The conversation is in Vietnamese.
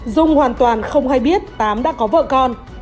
dung hoàn toàn không hay biết tám đã có vợ con